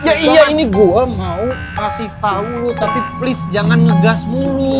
ya iya ini gue mau kasih tahu tapi please jangan ngegas mulu